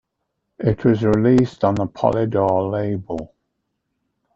It was released on the Polydor label.